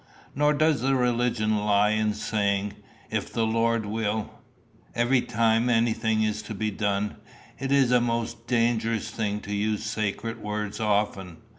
Nor does the religion lie in saying, if the Lord will, every time anything is to be done. It is a most dangerous thing to use sacred words often.